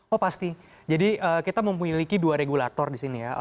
oh pasti jadi kita memiliki dua regulator di sini ya